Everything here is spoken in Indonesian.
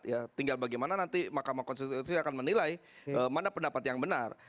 ya tinggal bagaimana nanti mahkamah konstitusi akan menilai mana pendapat yang benar